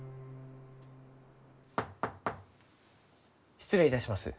失礼いたします。